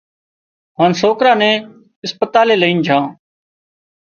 هانَ سوڪرا نين اسپتالئي لائينَ جھان